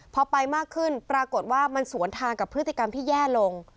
พอไปมากขึ้นปรากฏว่ามันสวนทางกับพฤติกรรมที่แย่ลง